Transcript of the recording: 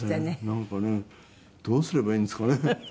なんかねどうすればいいんですかね。